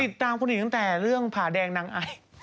ติดตามคนอื่นตั้งแต่เรื่องผ่าแดงนางไอ